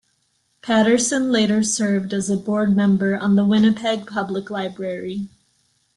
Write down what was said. Patterson later served as a Board Member on the Winnipeg Public Library.